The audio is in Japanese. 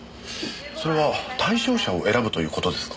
それは対象者を選ぶという事ですか？